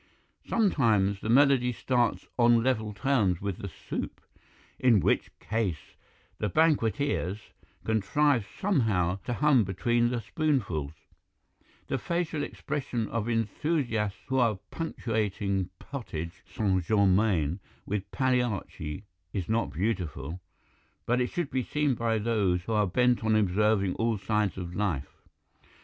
Sometimes the melody starts on level terms with the soup, in which case the banqueters contrive somehow to hum between the spoonfuls; the facial expression of enthusiasts who are punctuating potage St. Germain with Pagliacci is not beautiful, but it should be seen by those who are bent on observing all sides of life.